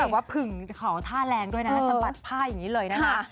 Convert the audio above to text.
แต่ว่าผึ่งเขาท่าแรงด้วยนะสะบัดผ้าอย่างนี้เลยนะคะ